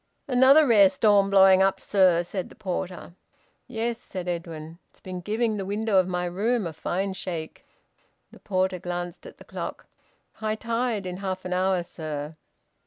"Another rare storm blowing up, sir," said the porter. "Yes," said Edwin. "It's been giving the window of my room a fine shake." The porter glanced at the clock. "High tide in half an hour, sir."